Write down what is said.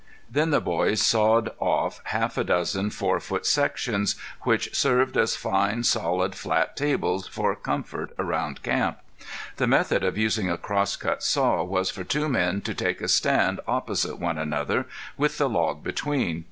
Then the boys sawed off half a dozen four foot sections, which served as fine, solid, flat tables for comfort around camp. The method of using a crosscut saw was for two men to take a stand opposite one another, with the log between.